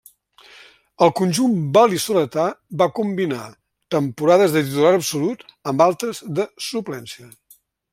Al conjunt val·lisoletà va combinar temporades de titular absolut, amb altres de suplència.